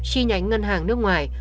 chi nhánh ngân hàng nước ngoài